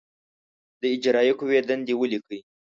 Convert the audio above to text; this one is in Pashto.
د اجرائیه قوې دندې ولیکئ.